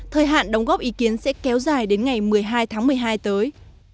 thời hạn đóng góp ý kiến sẽ kéo dài đến ngày một mươi hai tháng một mươi hai tới